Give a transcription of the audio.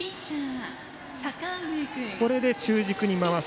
これで中軸に回す。